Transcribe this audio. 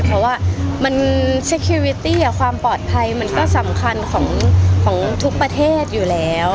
เพราะว่าความปลอดภัยมันก็สำคัญของทุกประเทศอยู่แล้ว